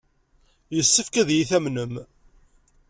Yessefk ad iyi-tamnem.